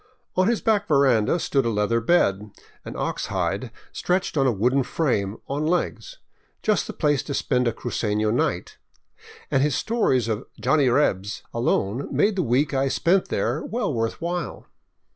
On his back ver anda stood a leather bed — an ox hide stretched on a wooden frame on legs — just the place to spend a cruceno night, and his stories of " Johnny Rebs " alone made the week I spent there well worth while.